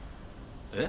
え？